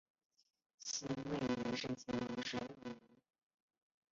辛未年是乾隆十六年。